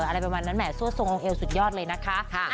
อะไรประมาณนั้นแห่ซั่วทรงลงเอวสุดยอดเลยนะคะ